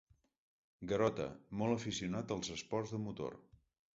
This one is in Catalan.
Garota, molt aficionat als esports de motor.